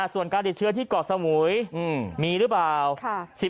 ส่วนการติดเชื้อที่เกาะสมุยมีหรือเปล่า